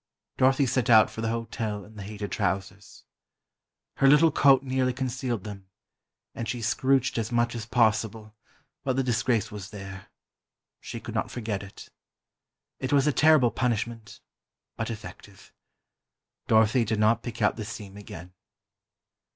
Dorothy set out for the hotel in the hated trousers. Her little coat nearly concealed them, and she scrooched as much as possible, but the disgrace was there—she could not forget it. It was a terrible punishment, but effective. Dorothy did not pick out the seam again.